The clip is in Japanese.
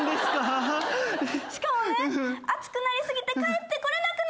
しかもね熱くなり過ぎて帰ってこれなくなるの。